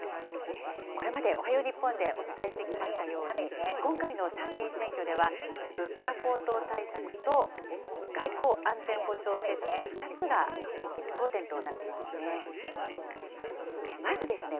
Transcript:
これまでおはよう日本でお伝えしてきましたように、今回の参議院選挙では、物価高騰対策と、外交・安全保障政策の２つが大きな争点となっていますね。